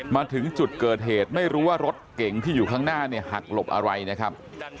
มาถึงจุดเกิดเหตุไม่รู้ว่ารถเก่งที่อยู่ข้างหน้าเนี่ยหักหลบอะไรนะครับ